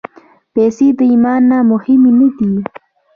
پېسې د ایمان نه مهمې نه دي.